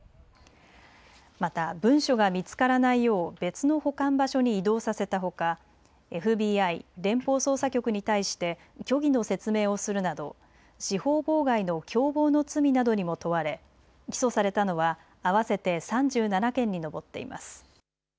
また文書が見つからないよう別の保管場所に移動させたほかＦＢＩ・連邦捜査局に対して虚偽の説明をするなど司法妨害の共謀の罪などにも問われ起訴されたのは合わせて３７件に上っています。